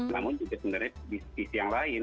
namun juga sebenarnya di sisi yang lain